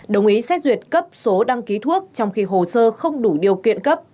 đồng ý xét duyệt cấp số đăng ký thuốc trong khi hồ sơ không đủ điều kiện cấp